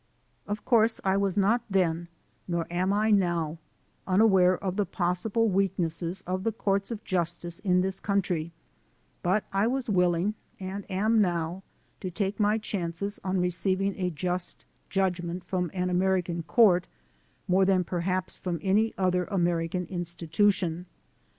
Of course I was not then, nor am I now, unaware of the pos sible weaknesses of the courts of justice in this country, but I was willing, and am now, to take my chances on receiving a just judgment from an American court, more than perhaps from any other American institution.